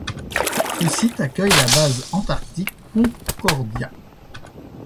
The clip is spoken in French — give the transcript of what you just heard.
Ce site accueille la base antarctique Concordia.